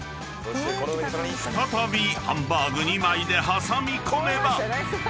［再びハンバーグ２枚で挟み込めば］